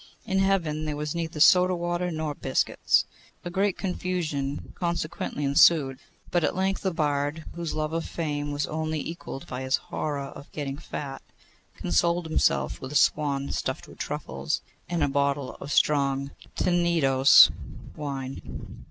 In Heaven, there was neither soda water nor biscuits. A great confusion consequently ensued; but at length the bard, whose love of fame was only equalled by his horror of getting fat, consoled himself with a swan stuffed with truffles, and a bottle of strong Tenedos wine.